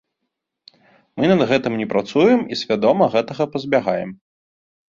Мы над гэтым не працуем і свядома гэтага пазбягаем.